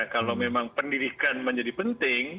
kalau memang pendidikan menjadi penting